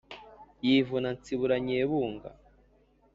Yivuna Ntsibura Nyebunga